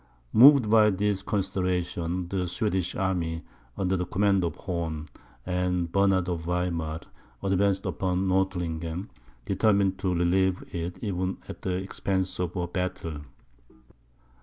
Moved by these considerations, the Swedish army, under the command of Horn, and Bernard of Weimar, advanced upon Nordlingen, determined to relieve it even at the expense of a battle.